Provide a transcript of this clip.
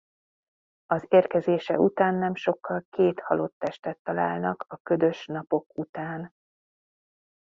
Az érkezése után nem sokkal két halott testet találnak a ködös napok után.